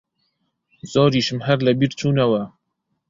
زۆریشم هەر لەبیر چوونەوە